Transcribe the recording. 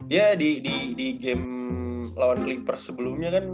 iya di game lawan clippers sebelumnya kan